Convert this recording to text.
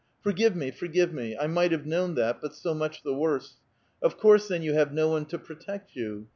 Forgive me, forgive me ; I might have known that, but so much the worse. Of course, then you have no one to protect you.